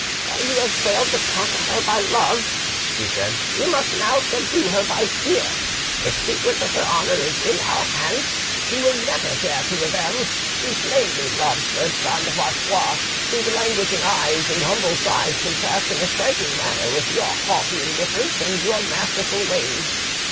"As you have failed to conquer her by love," she said, "you must now subdue her by fear. The secret of her honour is in our hands, and she will never dare to rebel. She plainly loves Bertrand of Artois, whose languishing eyes and humble sighs contrast in a striking manner with your haughty indifference and your masterful ways.